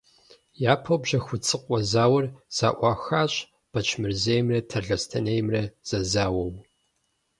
Япэу Бжьэхуцыкъуэ зауэр зэӀуахащ Бэчмырзеймрэ Талъостэнеймрэ зэзауэу.